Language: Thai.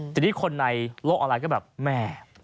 ทีนี้คนในโลกออนไลน์ก็แบบแม่